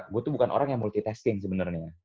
gue tuh bukan orang yang multitasking sebenernya